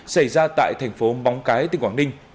xảy ra tại thành phố móng cái tỉnh quảng ninh